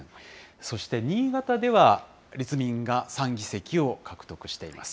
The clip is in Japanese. そして新潟では、立民が３議席を獲得しています。